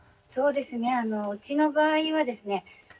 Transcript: そうですねうちの場合はですね